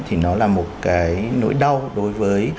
thì nó là một cái nỗi đau đối với